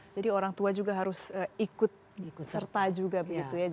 jadi orang tua juga harus ikut serta juga begitu ya